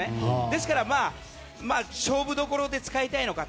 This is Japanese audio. ですから勝負どころで使いたいのか。